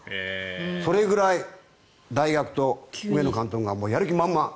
それぐらい大学と上野監督がやる気満々。